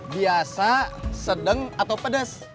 biasa sedang atau pedas